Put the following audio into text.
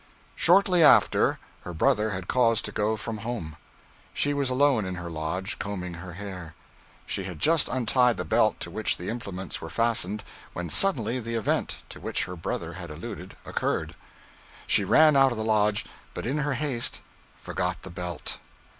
Shortly after, her brother had cause to go from home. She was alone in her lodge, combing her hair. She had just untied the belt to which the implements were fastened, when suddenly the event, to which her brother had alluded, occurred. She ran out of the lodge, but in her haste forgot the belt.